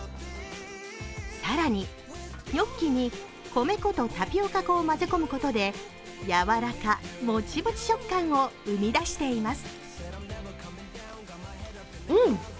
更に、ニョッキに米粉とタピオカ粉を混ぜ込むことで、やわらか、もちもち食感を生み出しています。